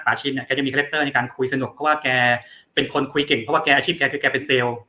ชินเนี่ยแกจะมีคาแรคเตอร์ในการคุยสนุกเพราะว่าแกเป็นคนคุยเก่งเพราะว่าแกอาชีพแกคือแกเป็นเซลล์